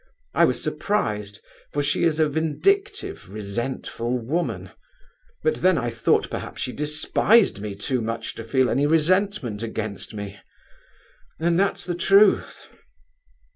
I was surprised, for she is a vindictive, resentful woman—but then I thought that perhaps she despised me too much to feel any resentment against me. And that's the truth.